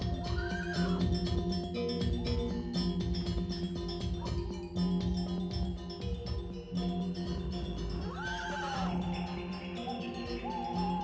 tidak ada yang bisa dikira